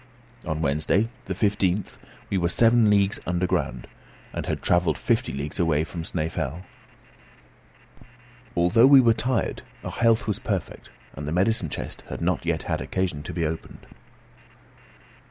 On Wednesday, the 15th, we were seven leagues underground, and had travelled fifty leagues away from Snæfell. Although we were tired, our health was perfect, and the medicine chest had not yet had occasion to be opened.